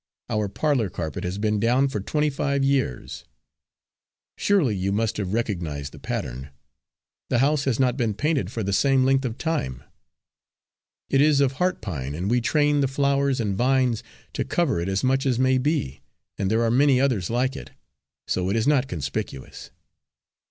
Our parlour carpet has been down for twenty five years; surely you must have recognised the pattern! The house has not been painted for the same length of time; it is of heart pine, and we train the flowers and vines to cover it as much as may be, and there are many others like it, so it is not conspicuous.